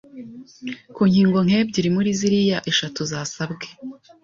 ku nkingo nk’ebyiri muri ziriya eshatu zasabwe,